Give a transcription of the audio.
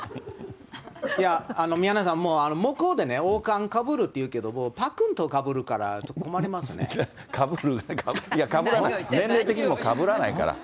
いや、宮根さん、向こうでね、王冠かぶるっていうけど、パックンとかぶるから、ちょっと困りまかぶる、いや、かぶらない、年齢的にもかぶらないから。